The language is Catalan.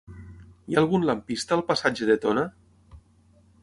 Hi ha algun lampista al passatge de Tona?